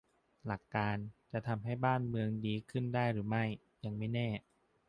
หลักการ จะทำให้บ้านเมืองดีขึ้นได้หรือไม่ ยังไม่แน่